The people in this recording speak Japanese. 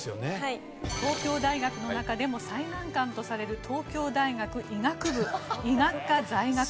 東京大学の中でも最難関とされる東京大学医学部医学科在学中。